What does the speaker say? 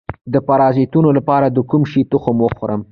د پرازیتونو لپاره د کوم شي تخم وخورم؟